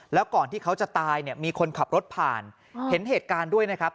แล้วก่อนที่เขาจะตายเนี่ยมีคนขับรถผ่านเห็นเหตุการณ์ด้วยนะครับ